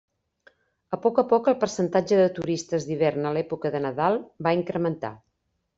A poc a poc el percentatge de turistes d'hivern a l'època de nadal va incrementar.